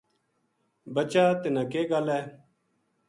بچا تنا کے گل ہے